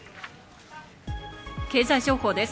経済情報です。